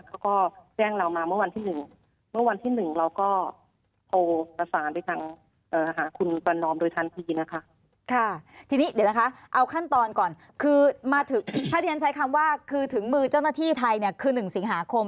เขาก็แจ้งเรามาเมื่อวันที่๑เมื่อวันที่๑เราก็โทรประสานไปทางหาคุณประนอมโดยทันทีนะคะ